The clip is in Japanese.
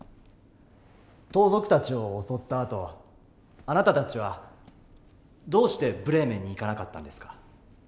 盗賊たちを襲ったあとあなたたちはどうしてブレーメンに行かなかったんですか？